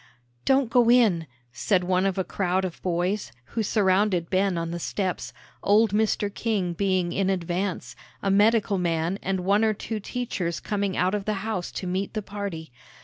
"Don't go in," said one of a crowd of boys, who surrounded Ben on the steps, old Mr. King being in advance, a medical man and one or two teachers coming out of the house to meet the party.